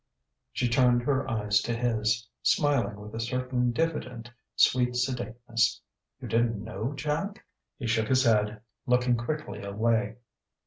She turned her eyes to his, smiling with a certain diffident, sweet sedateness. "You didn't know, Jack?" He shook his head, looking quickly away.